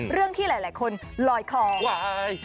เรื่องที่หลายคนลอยคอ